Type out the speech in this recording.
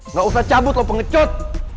gak usah cabut lo pengecut